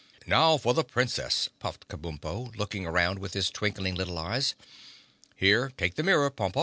"Now for the Princess," puffed Kabumpo, looking around with his twinkling little eyes. "Here, take the mirror, Pompa."